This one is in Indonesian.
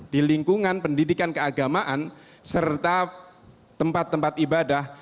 di lingkungan pendidikan keagamaan serta tempat tempat ibadah